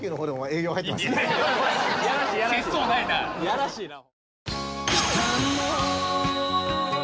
やらしいな！